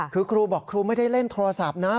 คือครูบอกครูไม่ได้เล่นโทรศัพท์นะ